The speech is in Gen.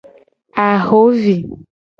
Ahovi.